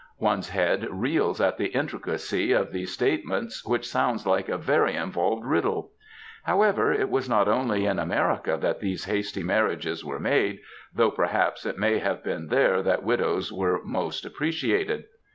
^ One^s head reels at the intricacy of this statement, which sounds like a very involved riddle ! However, it was not only in America that these hasty marriages were made, though perhaps it may have been there that widows were most appreciated.